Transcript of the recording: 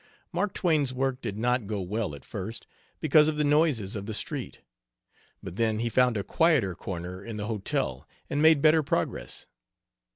Mark Twain's work did not go well, at first, because of the noises of the street. But then he found a quieter corner in the hotel and made better progress.